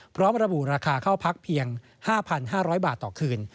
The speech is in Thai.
พร้อมระบุราคาเข้าพักเพียง๕๕๐๐บาทต่อคืน